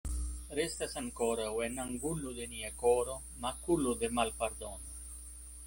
Restas ankoraŭ en angulo de nia koro makulo de malpardono.